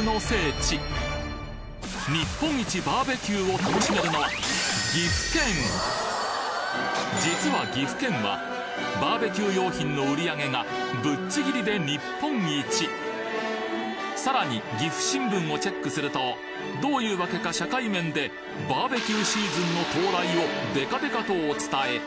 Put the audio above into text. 日本一バーベキューを楽しめるのは実は岐阜県はバーベキュー用品の売り上げがぶっちぎりで日本一さらに岐阜新聞をチェックするとどういうわけか社会面でバーベキューシーズンの到来をデカデカとお伝え！